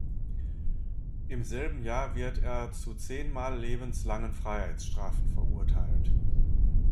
Im selben Jahr wird er zu zehnmal lebenslangen Freiheitsstrafen verurteilt.